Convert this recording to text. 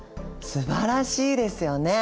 すばらしいですよね！